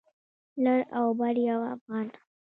لر او بر يو افغان.